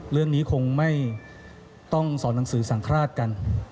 เรื่องนี้คงไม่ต้องสอนหนังสือสังฆราชกัน